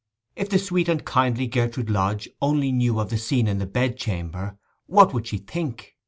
If the sweet and kindly Gertrude Lodge only knew of the scene in the bed chamber, what would she think?